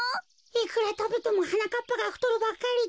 いくらたべてもはなかっぱがふとるばっかりってか。